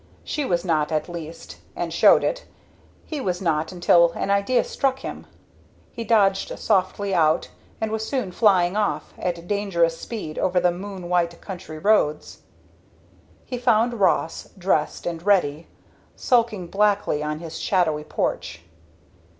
She was not, at least, and showed it; he was not until an idea struck him. He dodged softly out, and was soon flying off, at dangerous speed over the moon white country roads. He found Ross, dressed and ready, sulking blackly on his shadowy porch.